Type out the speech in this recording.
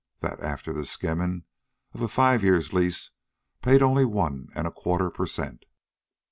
that, after the skimming of a five years' lease, paid only one and a quarter per cent."